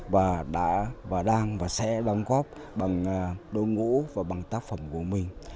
và sẽ đồng góp bằng đồ ngũ và bằng tác phẩm của mình